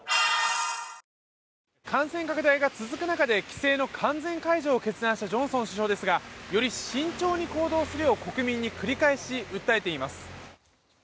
感染拡大が続く中で規制の完全解除を決断したジョンソン首相ですがより慎重に行動するよう国民に繰り返し訴えています。